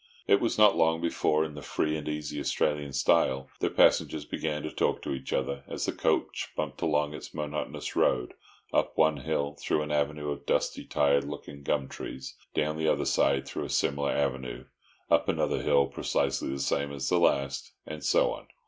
It was not long before, in the free and easy Australian style, the passengers began to talk to each other as the coach bumped along its monotonous road—up one hill, through an avenue of dusty, tired looking gum trees, down the other side through a similar avenue, up another hill precisely the same as the last, and so on.